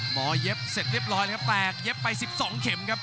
หมอยเย็บเสร็จเรียบร้อยครับแตกเย็บไปสิบสองเข็มครับ